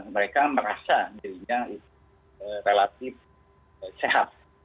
mereka merasa dirinya itu relatif sehat